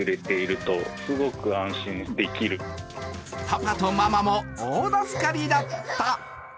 パパとママも大助かりだった。